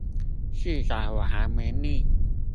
至少我還沒膩